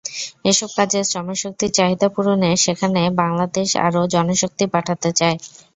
এসব কাজের শ্রমশক্তির চাহিদা পূরণে সেখানে বাংলাদেশ আরও জনশক্তি পাঠাতে চায়।